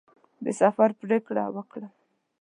د سفر پرېکړه وکړم.